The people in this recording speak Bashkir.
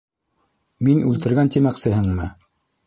Мин үлтергән, тимәксеһеңме?